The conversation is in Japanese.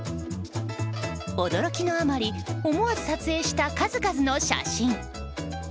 驚きのあまり思わず撮影した数々の写真。